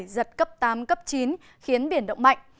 giật cấp tám cấp chín khiến biển động mạnh